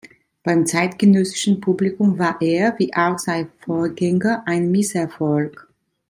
Beim zeitgenössischen Publikum war er, wie auch sein Vorgänger, ein Misserfolg.